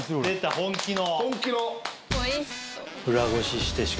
本気の。